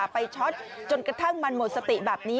ช็อตจนกระทั่งมันหมดสติแบบนี้